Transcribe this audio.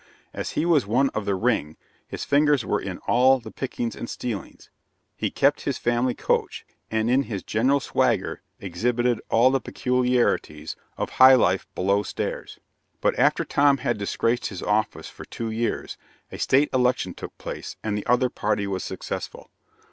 As he was one of the "ring," his fingers were in all the "pickings and stealings;" he kept his family coach, and in his general swagger exhibited all the peculiarities of "high life below stairs." But after Tom had disgraced his office for two years, a State election took place and the other party were successful.